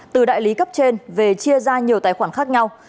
từ đại lý cấp trên về chia ra nhiều tài khoản khác nhau